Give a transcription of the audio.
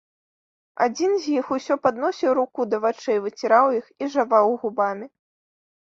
Адзін з іх усё падносіў руку да вачэй, выціраў іх і жаваў губамі.